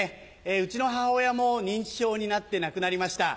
うちの母親も認知症になって亡くなりました。